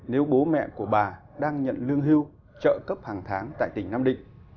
nếu bố mẹ của bà đang nhận lương hưu trợ cấp hàng tháng tại tỉnh nam định